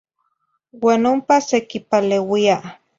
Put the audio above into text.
Uan ompa sequipaleuia.